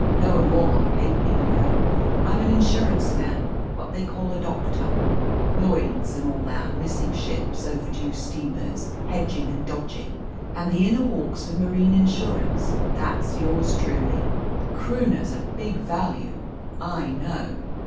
Know 'em all on paper, you know. I'm an insurance man what they call a doctor Lloyd's and all that; missing ships, overdue steamers, hedging and dodging, and the inner walks of marine insurance that's yours truly. Croonah's a big value, I know."